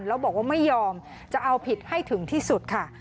แล้วบอกว่าไม่ยอมจะเอาผิดให้ถึงที่สุดค่ะ